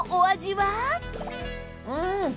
うん。